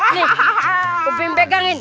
nih openg pegangin